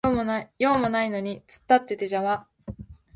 用もないのに突っ立ってて邪魔